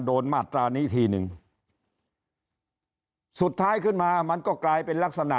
มาตรานี้ทีนึงสุดท้ายขึ้นมามันก็กลายเป็นลักษณะ